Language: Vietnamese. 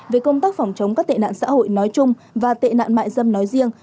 về công tác phòng chống các tệ nạn xã hội nói chung và tệ nạn mại dâm nói riêng